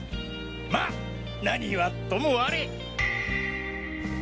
ま何はともあれ。